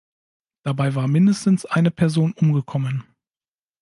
Dabei war mindestens eine Person umgekommen.